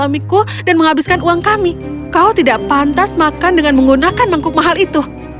suamiku dan menghabiskan uang kami kau tidak pantas makan dengan menggunakan mangkuk mahal itu